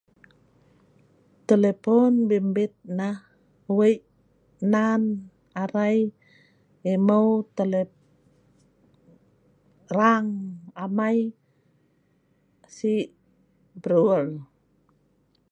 telepon bimbit nah wei nan arai emeu telep.. rang amai si' brul.